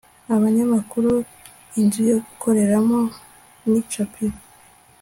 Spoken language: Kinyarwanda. abanyamakuru inzu yo gukoreramo n' icapiro